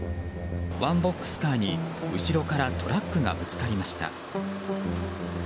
ワンボックスカーに後ろからトラックがぶつかりました。